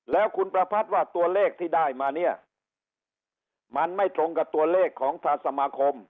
แล้วคุณประพัทธ์ว่าตัวเลขที่ได้มาเนี่ยมันไม่ตรงกับตัวเลขของทางสมาคม